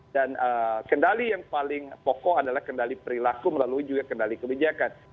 dan kendali yang paling pokok adalah kendali perilaku lalu juga kendali kebijakan